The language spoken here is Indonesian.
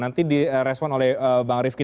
nanti di respon oleh bang rifki